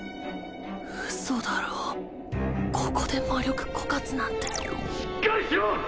ウソだろここで魔力枯渇なんてしっかりしろ！